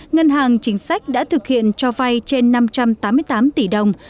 ngân hàng chính sách đã thực hiện cho vay trên năm trăm tám mươi tám tỷ đồng